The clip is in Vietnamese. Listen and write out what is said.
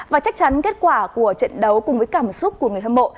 và chắc chắn kết quả của trận đấu cùng với cảm xúc của người hâm mộ